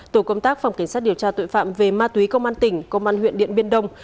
tổ công tác phòng cảnh sát điều tra tội phạm về ma túy công an tỉnh công an huyện điện biên đông